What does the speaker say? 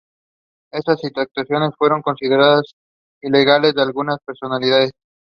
They were both Baptists.